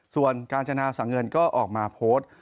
ส่วนกาญจนาสังเงินก็ออกมาโพสต์